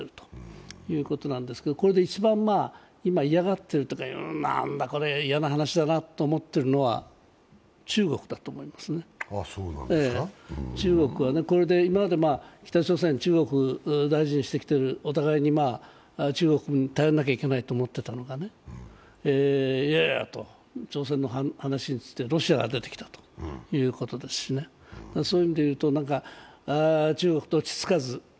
これで一番今、嫌がっているというか、なんだこれ、嫌な話だなと思っているのは中国だと思いますね、中国はこれで今まで、北朝鮮、中国大事にしてきている、お互いに、中国に頼らなきゃいけないと思っていたのが、いやいやと、朝鮮の話がきて、ロシアが出てきたそういう意味でいうと、中国どっちつかず。